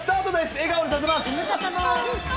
笑顔にさせます。